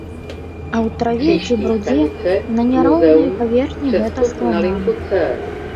А ў траве ці брудзе, на няроўнай паверхні гэта складана.